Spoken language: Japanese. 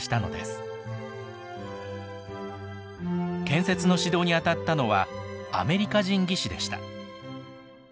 建設の指導にあたったのはアメリカ人技師でした。